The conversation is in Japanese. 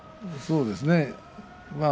そうですね。